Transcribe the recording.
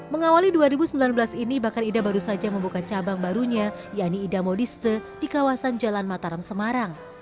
mengawali dua ribu sembilan belas ini bahkan ida baru saja membuka cabang barunya yaitu ida modiste di kawasan jalan mataram semarang